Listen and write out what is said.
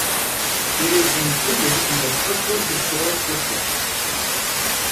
It is included in the Kirkwood Historic District.